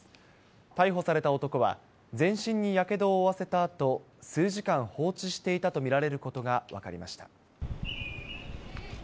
逮捕された男は、全身にやけどを負わせたあと、数時間放置していたと見られることが分かりました。